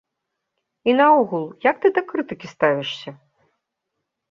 І наогул, як ты да крытыкі ставішся?